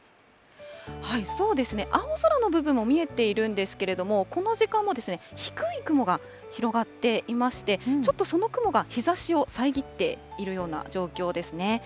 そうですね、青空の部分も見えているんですけども、この時間も低い雲が広がっていまして、ちょっとその雲が日ざしを遮っているような状況ですね。